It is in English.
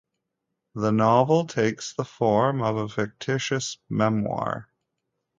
The novel takes the form of a fictitious memoir.